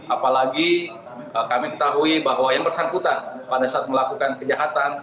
apalagi kami ketahui bahwa yang bersangkutan pada saat melakukan kejahatan